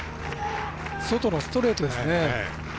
外のストレートですね。